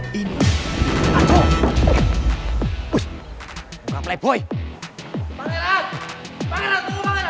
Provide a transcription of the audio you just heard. pangeran tunggu pangeran